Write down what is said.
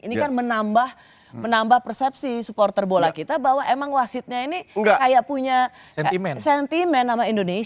ini kan menambah persepsi supporter bola kita bahwa emang wasitnya ini kayak punya sentimen sama indonesia